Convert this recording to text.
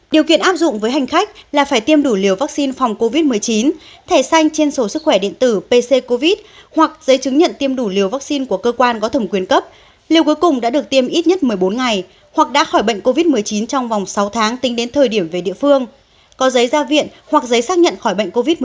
điều kiện áp dụng với hành khách là phải tiêm đủ liều vaccine phòng covid một mươi chín thẻ xanh trên sổ sức khỏe điện tử pc covid hoặc giấy chứng nhận tiêm đủ liều vaccine của cơ quan có thẩm quyền cấp liệu cuối cùng đã được tiêm ít nhất một mươi bốn ngày hoặc đã khỏi bệnh covid một mươi chín trong vòng sáu tháng tính đến thời điểm về địa phương có giấy ra viện hoặc giấy xác nhận khỏi bệnh covid một mươi chín